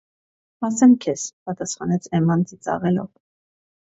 Ասեմ քեզ,- պատասխանեց էմման ծիծաղելով: